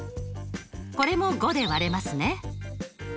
これも５で割れますね。